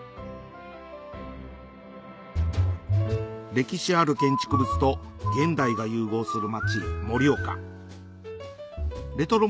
歴史ある建築物と現代が融合する街盛岡レトロ